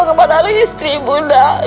kepada istri ibu nak